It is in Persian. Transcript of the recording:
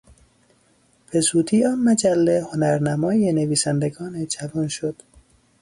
به زودی آن مجله هنرنمای نویسندگان جوان شد.